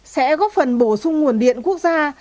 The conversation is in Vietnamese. sẽ góp phần bổ sung nguồn điện quốc gia